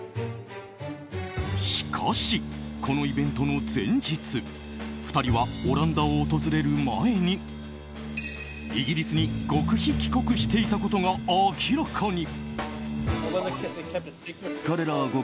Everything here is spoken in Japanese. しかし、このイベントの前日２人はオランダを訪れる前にイギリスに極秘帰国していたことが明らかに。